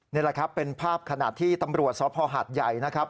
นี่แหละครับเป็นภาพขณะที่ตำรวจสภหาดใหญ่นะครับ